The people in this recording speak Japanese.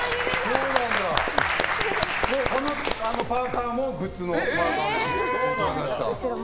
このパーカもグッズのパーカで。